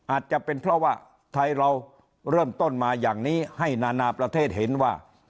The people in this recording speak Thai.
อาจจะเป็นเพราะว่าไทยเราเริ่มต้นมาอย่างนี้ให้นานาประเทศเห็นว่า